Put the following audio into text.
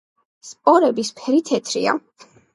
სპორების ფერი თეთრია.